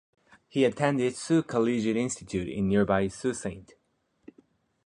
He attended Sault Collegiate Institute in nearby Sault Ste.